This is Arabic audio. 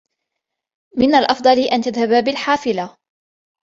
من الأفضل أن تذهب بالحافلة.